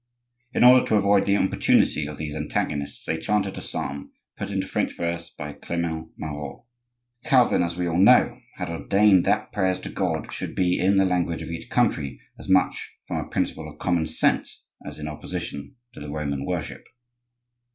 In order to avoid the importunity of these antagonists they chanted a psalm, put into French verse by Clement Marot. Calvin, as we all know, had ordained that prayers to God should be in the language of each country, as much from a principle of common sense as in opposition to the Roman worship.